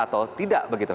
atau tidak begitu